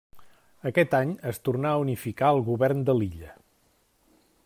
Aquest any es tornà a unificar el govern de l'illa.